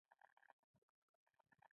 نه د اوباما د قواوو زیاتولو ګټه وکړه.